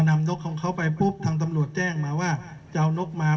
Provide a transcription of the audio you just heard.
นกของเขาไปปุ๊บทางตำรวจแจ้งมาว่าจะเอานกมา